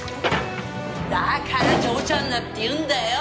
だから嬢ちゃんだって言うんだよ！